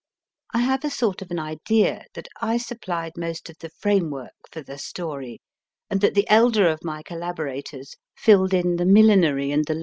I have a sort of an idea that I supplied most of the framework for the story, and that the elder of my collaborators filled in the millinery and the love PT^ * I / y.